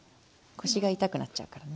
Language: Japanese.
腰が痛くなっちゃうから。